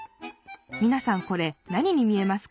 みなさんこれ何に見えますか？